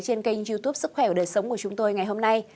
trên kênh youtube sức khỏe và đời sống của chúng tôi ngày hôm nay